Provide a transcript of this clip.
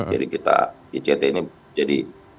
jadi kita ict ini jadi